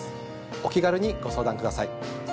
お気軽にご相談ください。